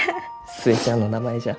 寿恵ちゃんの名前じゃ。